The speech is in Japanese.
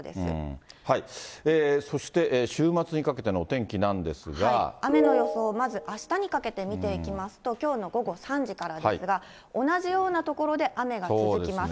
そして週末にかけてのお天気雨の予想を、まずあしたにかけて見ていきますと、きょうの午後３時からですが、同じような所で雨が続きます。